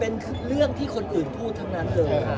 เป็นเรื่องที่คนอื่นพูดทั้งนั้นเลย